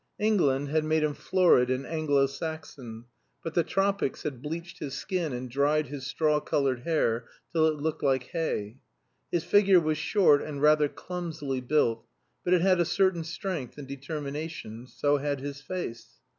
England had made him florid and Anglo Saxon, but the tropics had bleached his skin and dried his straw colored hair till it looked like hay. His figure was short and rather clumsily built, but it had a certain strength and determination; so had his face.